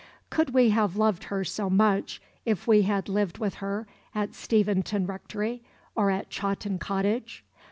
Could we have loved her so much if we had lived with her at Steventon Rectory or at Chawton Cottage?